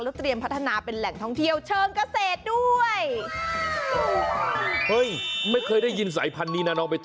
เตรียมพัฒนาเป็นแหล่งท่องเที่ยวเชิงเกษตรด้วยเฮ้ยไม่เคยได้ยินสายพันธุนี้นะน้องไปต่อ